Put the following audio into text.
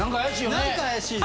何か怪しいよね？